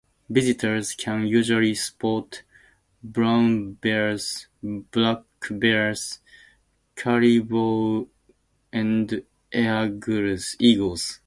Visitors can usually spot brown bears, black bears, caribou, and eagles.